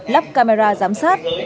lắp camera giám sát